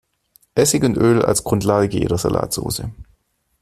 Essig und Öl als Grundlage jeder Salatsoße.